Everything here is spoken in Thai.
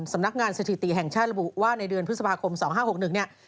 สำนักงานสถิติแห่งชาติระบุว่าในเดือนพฤษภาคม๒๕๖๑เนี่ย